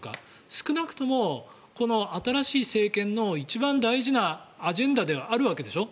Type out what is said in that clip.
少なくともこの新しい政権の一番大事なアジェンダではあるわけでしょ。